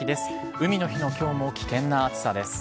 海の日のきょうも危険な暑さです。